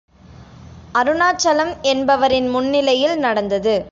அருணாசலம் என்பவரின் முன்னிலையில் நடந்தது.